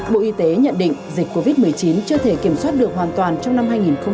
bộ y tế nhận định dịch covid một mươi chín chưa thể kiểm soát được hoàn toàn trong năm hai nghìn hai mươi